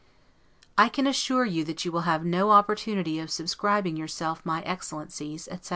I can assure you, that you will have no opportunity of subscribing yourself my Excellency's, etc.